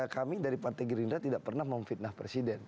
kami dari partai gerindra tidak pernah memfitnah presiden